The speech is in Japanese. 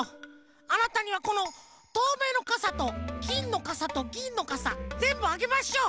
あなたにはこのとうめいのかさときんのかさとぎんのかさぜんぶあげましょう！